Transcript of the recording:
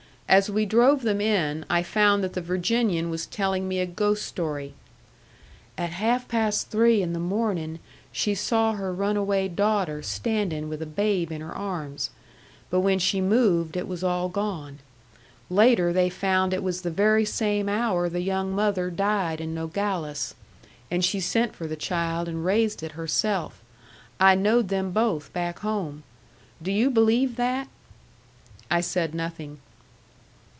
As we drove them in I found that the Virginian was telling me a ghost story. "At half past three in the morning she saw her runaway daughter standing with a babe in her arms; but when she moved it was all gone. Later they found it was the very same hour the young mother died in Nogales. And she sent for the child and raised it herself. I knowed them both back home. Do you believe that?" I said nothing.